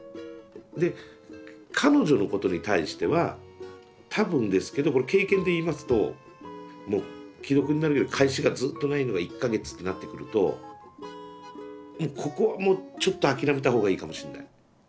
で彼女のことに対しては多分ですけどこれ経験で言いますともう既読になるけど返しがずっとないのが１か月ってなってくるとここはもうちょっと諦めた方がいいかもしれない。